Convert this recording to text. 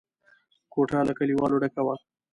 کوټه له کليوالو ډکه وه.